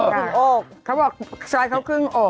คือโอ๊กเขาบอกชายเขาครึ่งโอ๊ก